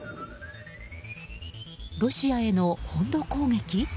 ロシアへの本土攻撃？